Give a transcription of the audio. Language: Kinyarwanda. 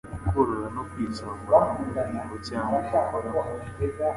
Gukorora no kwitsamura mu ngingo cyangwa inkokora.